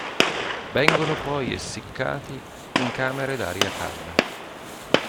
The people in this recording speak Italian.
Vengono poi essiccati in camere d'aria calda.